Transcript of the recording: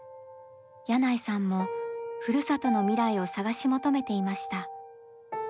箭内さんもふるさとの未来を探し求めていました。